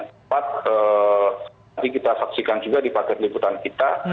tempat yang kita saksikan juga di paket liputan kita